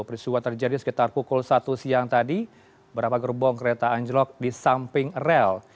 peristiwa terjadi sekitar pukul satu siang tadi beberapa gerbong kereta anjlok di samping rel